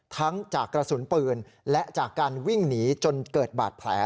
ทั้งจากกระสุนปืนและจากการวิ่งหนีจนเกิดบาดแผล